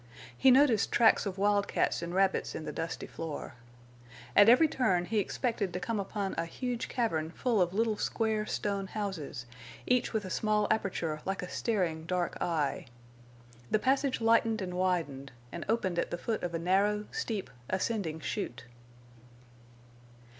He noticed tracks of wildcats and rabbits in the dusty floor. At every turn he expected to come upon a huge cavern full of little square stone houses, each with a small aperture like a staring dark eye. The passage lightened and widened, and opened at the foot of a narrow, steep, ascending chute.